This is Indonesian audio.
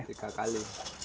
sehari tiga kali